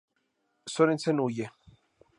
Sorensen huye.